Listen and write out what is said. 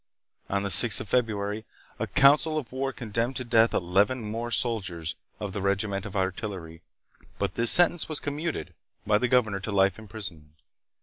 On the 6th of February a council of war condemned to death eleven more soldiers of the regiment of artillery, but this sentence was commuted by the governor to life imprisonment.